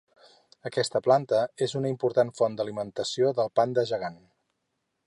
Aquesta planta és una important font d'alimentació del panda gegant.